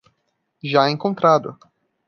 Já encontrado